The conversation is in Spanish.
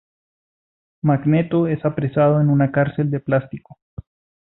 Magneto es apresado en una cárcel de plástico.